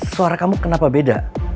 suara kamu kenapa beda